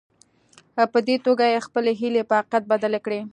په دې توګه يې خپلې هيلې په حقيقت بدلې کړې.